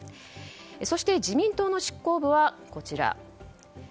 そして自民党の執行部はこちら。